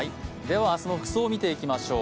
明日の服装を見ていきましょう。